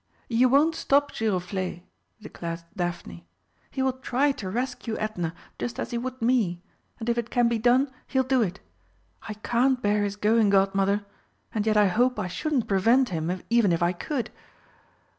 "You won't stop Giroflé!" declared Daphne. "He will try to rescue Edna, just as he would me. And if it can be done he'll do it. I can't bear his going, Godmother and yet I hope I shouldn't prevent him, even if I could!"